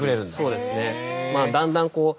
そうですね。